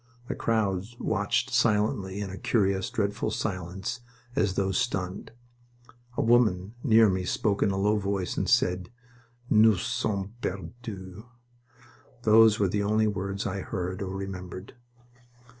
The crowds watched silently, in a curious, dreadful silence, as though stunned. A woman near me spoke in a low voice, and said, "Nous sommes perdus!" Those were the only words I heard or remembered.